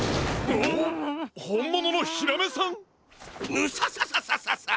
ムササササササ！